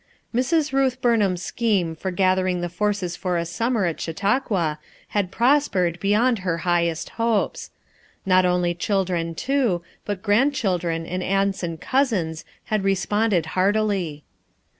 Mrs. Euth Burnham's scheme for gathering the forces for a summer at Chautauqua had prospered beyond her highest hopes. Not only children, but grandchildren and aunts and cousins had responded heartily.